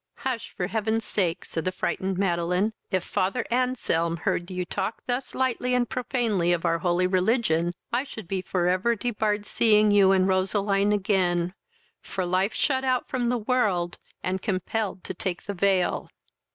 "Hush, for heaven's sake! (said the frightened Madeline;) if Father Anselm heard you talk thus lightly and profanely of our holy religion, I should be for ever debarred seeing you and Roseline again, for life shut out from the world, and compelled to take the veil."